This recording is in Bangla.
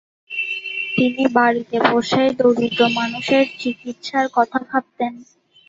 তিনি বাড়িতে বসেই দরিদ্র মানুষের চিকিৎসা করতেন।